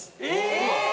うわっ。